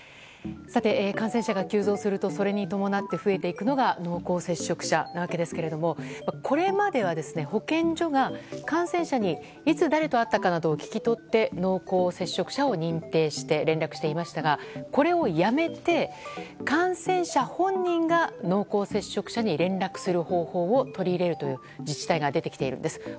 さて、感染者が急増するとそれに伴って増えていくのが濃厚接触者ですがこれまでは保健所が感染者にいつ誰と会ったかなどを聞き取って濃厚接触者を認定して連絡していましたがこれをやめて、感染者本人が濃厚接触者に連絡する方法を取り入れるという自治体が出てきているんです。